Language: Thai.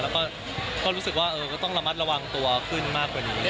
แล้วก็รู้สึกว่าก็ต้องระมัดระวังตัวขึ้นมากกว่านี้